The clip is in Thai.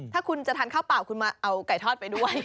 ถ้าคุณจะทานข้าวเปล่าคุณมาเอาไก่ทอดไปด้วย